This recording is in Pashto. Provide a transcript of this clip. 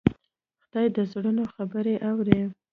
خدای د زړونو خبرې اوري.